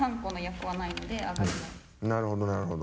なるほどなるほど。